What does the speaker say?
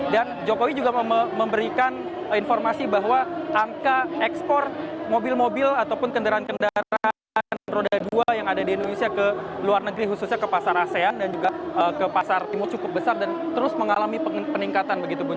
dan jokowi juga memberikan informasi bahwa angka ekspor mobil mobil ataupun kendaraan kendaraan roda dua yang ada di indonesia ke luar negeri khususnya ke pasar asean dan juga ke pasar timur cukup besar dan terus mengalami peningkatan begitu pun